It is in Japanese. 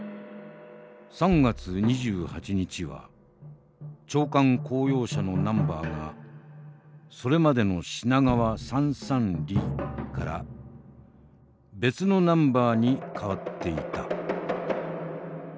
「３月２８日は長官公用車のナンバーがそれまでの『品川３３り』から別のナンバーに替わっていた」。